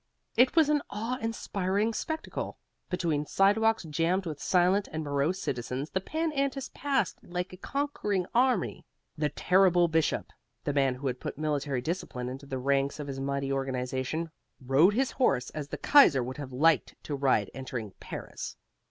It was an awe inspiring spectacle. Between sidewalks jammed with silent and morose citizens, the Pan Antis passed like a conquering army. The terrible Bishop, the man who had put military discipline into the ranks of his mighty organization, rode his horse as the Kaiser would have liked to ride entering Paris.